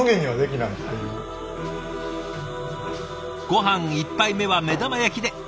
ごはん１杯目は目玉焼きで。